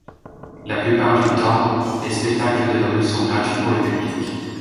La plupart du temps, les spectacles de rue sont gratuits pour le public.